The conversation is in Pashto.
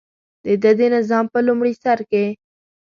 دده د نظام په لومړي سر کې.